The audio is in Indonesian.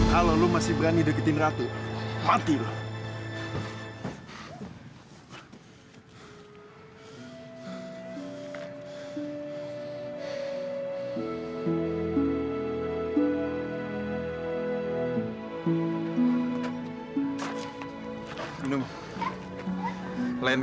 kalau lo masih berani deketin ratu matilah